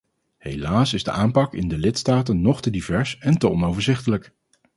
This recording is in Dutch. Helaas is de aanpak in de lidstaten nog te divers en te onoverzichtelijk.